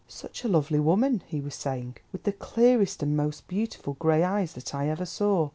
"Such a lovely woman," he was saying, "with the clearest and most beautiful grey eyes that I ever saw.